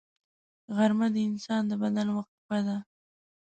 غرمه د انسان د بدن وقفه ده